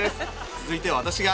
続いては私が